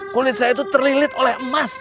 kulit saya itu terlilit oleh emas